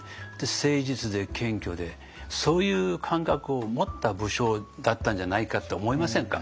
誠実で謙虚でそういう感覚を持った武将だったんじゃないかって思いませんか？